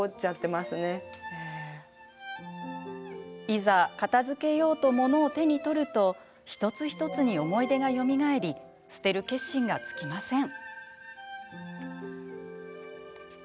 いざ、片づけようと物を手に取ると一つ一つに思い出がよみがえり捨てる決心がつきません。